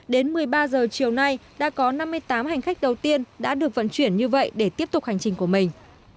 đến một mươi ba h chiều nay đã có năm mươi tám hành khách đầu tiên đã được vận chuyển như vậy để tiếp tục hành trình của mình